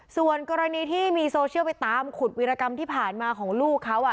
ส่วนกรณีที่มีโซเชียลไปตามขุดวิรกรรมที่ผ่านมาของลูกเขา